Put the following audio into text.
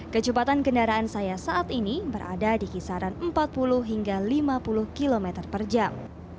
kecepatan kendaraan saya saat ini berada di kisaran empat puluh hingga lima puluh km per jam